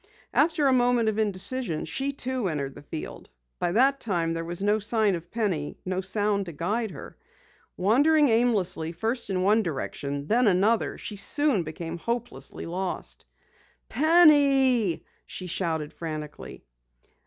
After a moment of indecision she, too, entered the field. By that time there was no sign of Penny, no sound to guide her. Wandering aimlessly first in one direction, then another, she soon became hopelessly lost. "Penny!" she shouted frantically.